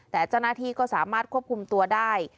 แต่จนาทีก็สามารถควบคุมตัวได้